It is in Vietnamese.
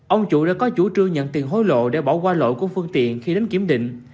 ông chủ đã có chủ trương nhận tiền hối lộ để bỏ qua lỗi của phương tiện khi đến kiểm định